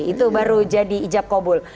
itu baru jadi ijab kobul